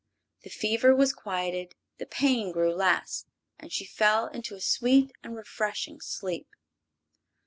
The fever was quieted, the pain grew less, and she fell into a sweet and refreshing sleep.